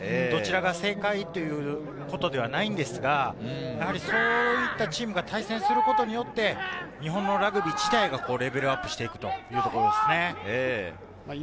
どちらが正解ということではないんですが、やはりそういったチームが対戦することによって、日本のラグビー自体がレベルアップしていくということですね。